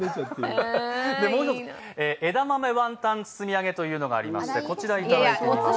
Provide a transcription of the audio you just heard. もう一つ、枝豆ワンタン包み揚げというのがありまして、こちらをいただきます。